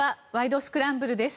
スクランブル」です。